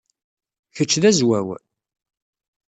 Kečč d Azwaw?